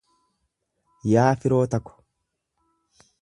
Yaa firoota ko.